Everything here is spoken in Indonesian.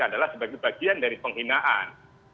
adalah sebagai bagian dari penghinaan